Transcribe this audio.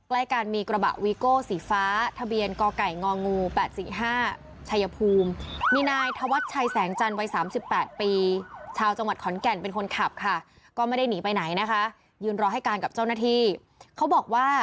ใกล้กันมีกระบะวีโก้สีฟ้าทะเบียนกไก่งองู๘๔๕ชัยภูมิมีนายธวัชชัยแสงจันทร์วัย๓๘ปีชาวจังหวัดขอนแก่นเป็นคนขับค่ะก็ไม่ได้หนีไปไหนนะคะยืนรอให้การกับเจ้าหน้าที่เขาบอกว่า